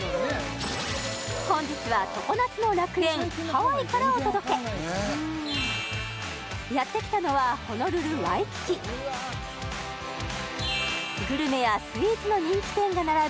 本日は常夏の楽園ハワイからお届けやってきたのはホノルルワイキキグルメやスイーツの人気店が並ぶ